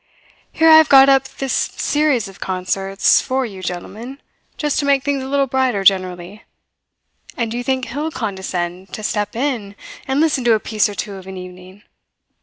Here I have got up this series of concerts for you gentlemen, just to make things a little brighter generally; and do you think he'll condescend to step in and listen to a piece or two of an evening?